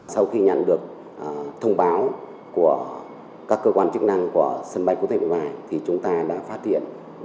sau khi nhận được thông báo của các cơ quan chức năng của sân bay quốc tế nội bài thì chúng ta đã phát hiện